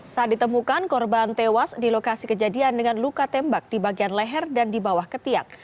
saat ditemukan korban tewas di lokasi kejadian dengan luka tembak di bagian leher dan di bawah ketiak